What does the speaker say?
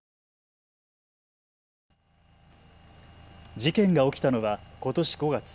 事件が起きたのは、ことし５月。